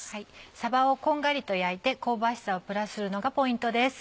さばをこんがりと焼いて香ばしさをプラスするのがポイントです。